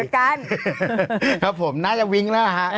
ครับผมน่าจะวิ้งแล้วค่ะ